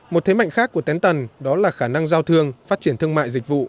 một thế mạnh khác của tén tần đó là khả năng giao thương phát triển thương mại dịch vụ